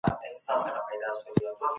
زه بايد کتابتون ته ولاړ سم.